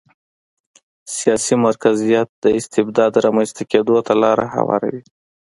سیاسي مرکزیت د استبداد رامنځته کېدو ته لار هواروي.